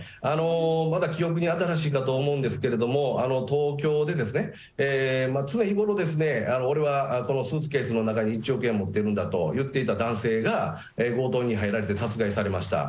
まだ記憶に新しいかと思うんですけど、東京で常日ごろ、俺はこのスーツケースの中に１億円持ってるんだと言っていた男性が、強盗に入られて殺害されました。